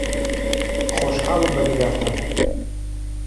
خۆشحاڵم بە دیدارتان.